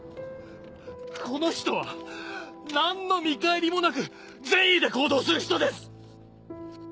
この人は何の見返りもなく善意で行動する人です！